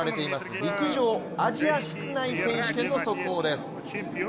陸上アジア室内選手権の速報です。